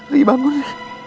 ri bangun ri